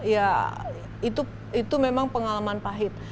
ya itu memang pengalaman pahit